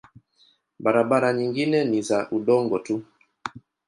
Barabara nyingine ni za udongo tu.